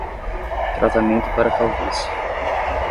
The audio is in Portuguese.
Tratamento para calvície